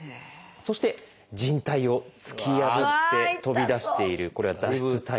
そして靭帯を突き破って飛び出しているこれは「脱出」タイプ。